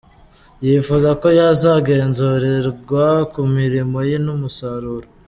Yifuza ko yazagenzurirwa ku mirimo ye n’umusaruro.”